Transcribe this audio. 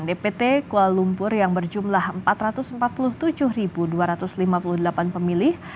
dpt kuala lumpur yang berjumlah empat ratus empat puluh tujuh dua ratus lima puluh delapan pemilih